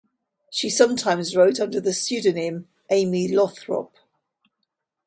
She sometimes wrote under the pseudonym "Amy Lothrop".